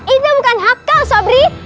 itu bukan hak kau sobri